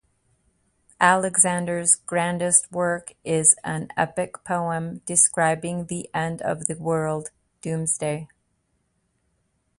Alexander's grandest work is an epic poem describing the end of the world, "Doomes-day".